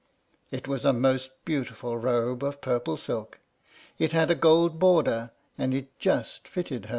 It was a most beautiful robe of purple silk; it had a gold border, and it just fitted her.